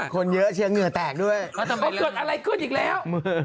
คนเยอะเชียงเหงื่อแตกด้วยเกิดอะไรขึ้นอีกแล้ว